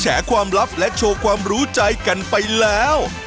แความลับและโชว์ความรู้ใจกันไปแล้ว